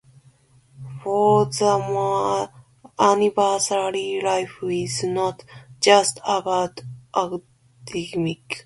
Furthermore, university life is not just about academics.